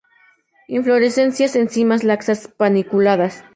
Inflorescencias en cimas laxas paniculadas.